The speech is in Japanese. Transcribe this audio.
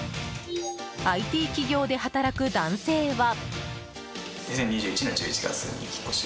ＩＴ企業で働く男性は。